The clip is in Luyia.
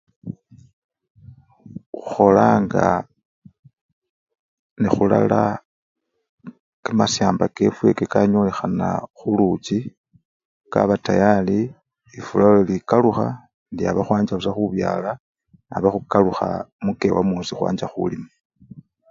Khukholanga nakhulala kamasamba kefwe kakanyolekhana khuluchi, kaba tayari, efula oli ikalukha indiabakhwancha busa khubyala indiaba khukalukha mukewa mwosi khwancha khulima.